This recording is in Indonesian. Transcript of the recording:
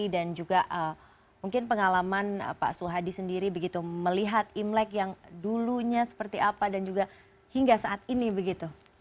dan juga mungkin pengalaman pak suhadi sendiri begitu melihat imlek yang dulunya seperti apa dan juga hingga saat ini begitu